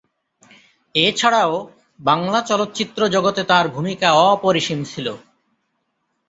এছাড়াও, বাংলা চলচ্চিত্র জগতে তার ভূমিকা অপরিসীম ছিল।